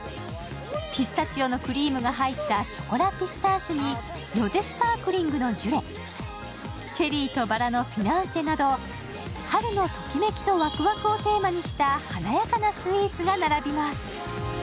ピスタチオのクリームが入ったショコラピスターシュにロゼスパークリングのジュレ、チェリーとバラのフィナンシェなど春のときめきとワクワクをテーマにした華やかなスイーツが並びます。